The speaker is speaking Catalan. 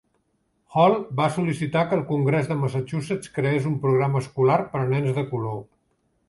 Hall va sol·licitar que el Congrés de Massachusetts creés un programa escolar per a nens de color.